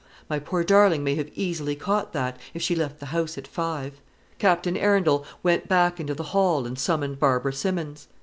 My poor darling may have easily caught that, if she left the house at five." Captain Arundel went back into the hall, and summoned Barbara Simmons.